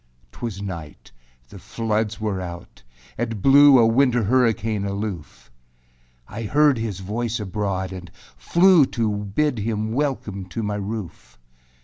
4. âTwas night; the floods were out; it blew A winter hurricane aloof. I heard his voice abroad and flew To bid him welcome to my roof.